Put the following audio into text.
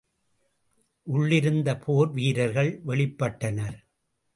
உள்ளிருந்து போர் வீரர்கள் வெளிப்பட்டனர்.